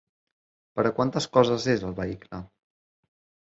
Per a quantes coses és el vehicle?